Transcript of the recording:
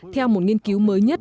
theo một nghiên cứu mới nhất